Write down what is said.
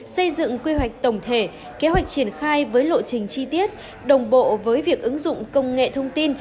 xây dựng quy hoạch tổng thể kế hoạch triển khai với lộ trình chi tiết đồng bộ với việc ứng dụng công nghệ thông tin